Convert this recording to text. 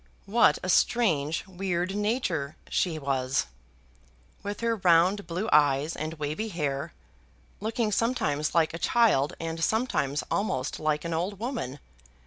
What a strange, weird nature she was, with her round blue eyes and wavy hair, looking sometimes like a child and sometimes almost like an old woman!